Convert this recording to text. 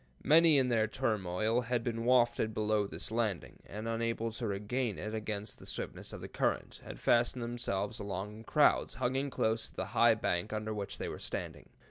Many in their turmoil had been wafted below this landing, and unable to regain it against the swiftness of the current, had fastened themselves along in crowds, hugging close to the high bank under which they were standing.